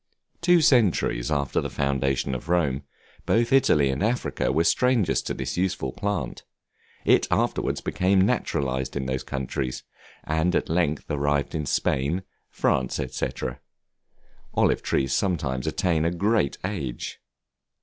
Two centuries after the foundation of Rome, both Italy and Africa were strangers to this useful plant; it afterwards became naturalized in those countries, and at length arrived in Spain, France, &c. Olive trees sometimes attain a great age.